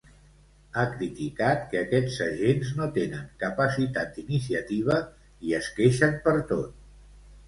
Ha criticat que aquests agents no tenen capacitat d'iniciativa i es queixen per tot.